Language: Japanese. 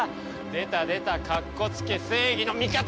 出た出たかっこつけ正義の味方！